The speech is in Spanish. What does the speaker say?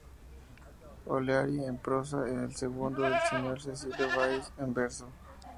O'Leary, en prosa y el segundo, del señor Cecilio Báez, en verso.